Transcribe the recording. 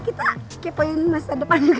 kita kepoin masa depan dulu